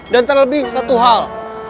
dan terlebih satu hal